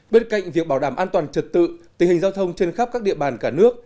bên cạnh việc bảo đảm an toàn trật tự tình hình giao thông trên khắp các địa bàn cả nước